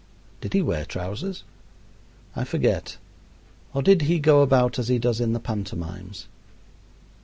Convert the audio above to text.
Did he wear trousers? I forget; or did he go about as he does in the pantomimes?